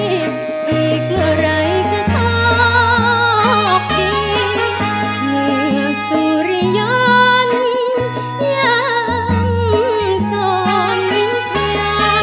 อีกอะไรจะชอบกินเมื่อสุริยนต์ยังส่วนนิ้มเทียม